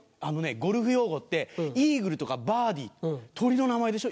ゴルフ用語ってイーグルとかバーディー鳥の名前でしょ。